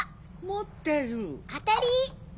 持ってる！当たり！